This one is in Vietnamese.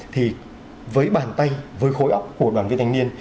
thì với bàn tay với khối óc của đoàn viên thanh niên